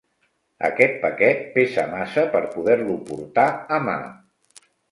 Aquest paquet pesa massa per poder-lo portar a mà.